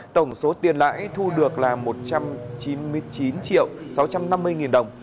tổng số tiền lãi thu được là một trăm chín mươi chín triệu sáu trăm năm mươi nghìn đồng